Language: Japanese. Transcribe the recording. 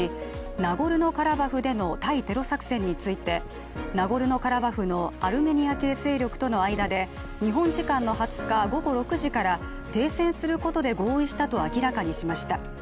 ナゴルノ・カラバフでの対テロ作戦についてナゴルノ・カラバフのアルメニア系勢力との間で日本時間の２０日午後６時から停戦することで合意したと明らかにしました。